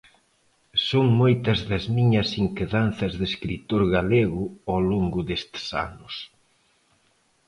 Son moitas das miñas inquedanzas de escritor galego ao longo destes anos.